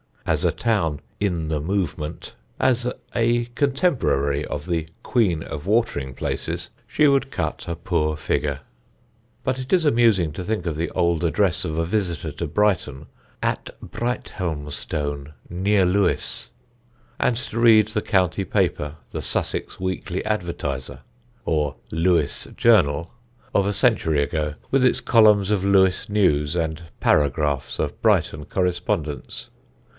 As a town "in the movement," as a contemporary of the "Queen of Watering Places," she would cut a poor figure. But it is amusing to think of the old address of a visitor to Brighton, "at Brighthelmstone, near Lewes," and to read the county paper, The Sussex Weekly Advertiser; or, Lewes Journal, of a century ago, with its columns of Lewes news and paragraphs of Brighton correspondence.